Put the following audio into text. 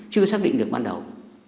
chưa xác định được ban đầu